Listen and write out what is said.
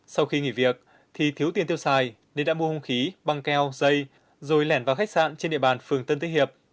sau khi nghỉ việc thì thiếu tiền tiêu xài nên đã mua hung khí băng keo dây rồi lẻn vào khách sạn trên địa bàn phường tân thế hiệp